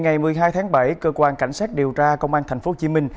ngày một mươi hai tháng bảy cơ quan cảnh sát điều tra công an tp hcm